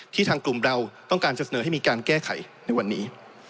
ทางกลุ่มเราต้องการจะเสนอให้มีการแก้ไขในวันนี้